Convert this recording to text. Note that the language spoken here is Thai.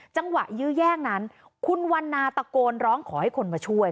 ยื้อแย่งนั้นคุณวันนาตะโกนร้องขอให้คนมาช่วย